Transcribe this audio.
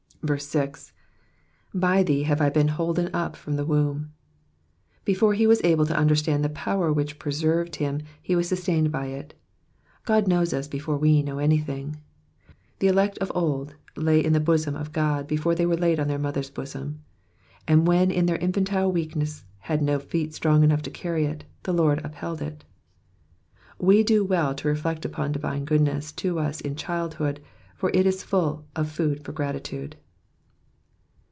6. ^'By thee have I been holden up from the uomb,'' Before he was able to understand the power which preserved him, he was sustained by it. God knows us before we know anything. The elect of old lay in the bosom of God before they were laid on their mothers' bosoms ; and when their infantile weak ness had no feet strong enough to carry it, the Lord upheld it. We do well to reflect upon divine goodness to us in childhood, for it is full of food for gratitude.